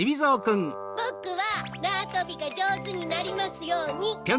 ぼくはなわとびがじょうずになりますように。